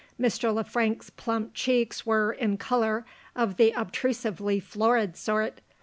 Mr. Le Frank's plump cheeks were, in colour, of the obtrusively florid sort.